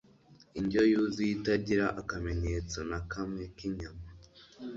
indyo yuzuye itagira akamenyetso na kamwe k’inyama.